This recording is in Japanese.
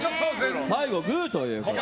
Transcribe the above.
最後、グーということで。